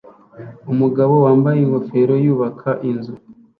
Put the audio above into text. Umugabo wambaye ingofero yubaka inzu